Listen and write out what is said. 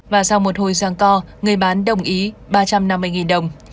và sau một hồi ráng co người bán đồng ý ba trăm năm mươi đồng